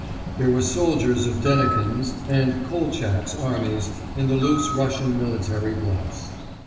There were soldiers of Denikin's and Kolchak's armies in the loose Russian military blouse.